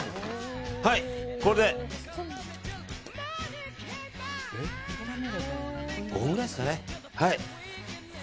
これで５分くらいですかね。